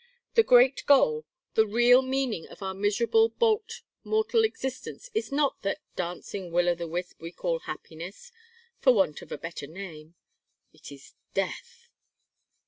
The great goal, the real meaning of our miserable balked mortal existence is not that dancing will o' the wisp we call happiness, for want of a better name. It is Death."